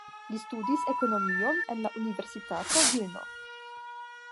Li studis ekonomikon en la Universitato Vilno.